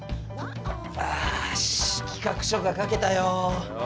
おし企画書が書けたよ！